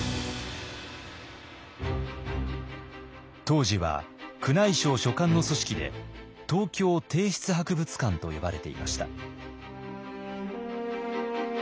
当時は宮内省所管の組織で東京帝室博物館と呼ばれていました。